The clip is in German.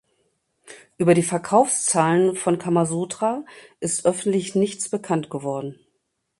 Über die Verkaufszahlen von "Kamasutra" ist öffentlich nichts bekannt geworden.